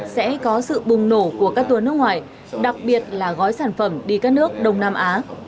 sẽ có sự bùng nổ của các tour nước ngoài đặc biệt là gói sản phẩm đi các nước đông nam á